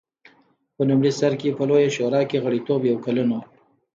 په لومړي سر کې په لویه شورا کې غړیتوب یو کلن و